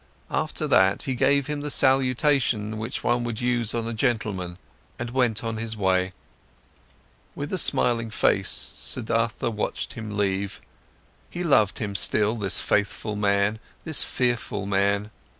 After that, he gave him the salutation which one would use on a gentleman and went on his way. With a smiling face, Siddhartha watched him leave, he loved him still, this faithful man, this fearful man.